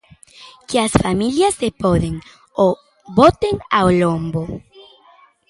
Que as familias, se poden, o boten ao lombo.